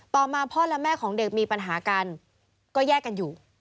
ต่อมาพ่อและแม่ของเด็กมีปัญหากันก็แยกกันอยู่